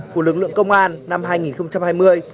của lực lượng công an năm hai nghìn hai mươi